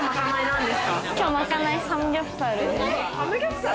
今日まかないサムギョプサルです。